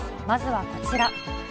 まずはこちら。